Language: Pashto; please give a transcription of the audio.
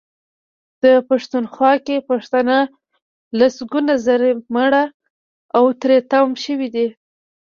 په پښتونخوا کې پښتانه لسګونه زره مړه او تري تم شوي دي.